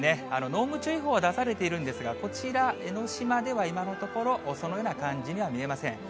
濃霧注意報は出されているんですが、こちら江の島では、今のところ、そのような感じには見えません。